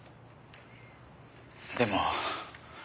でも。